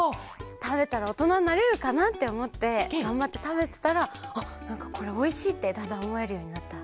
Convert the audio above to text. たべたらおとなになれるかなっておもってがんばってたべてたらあっなんかこれおいしいってだんだんおもえるようになった。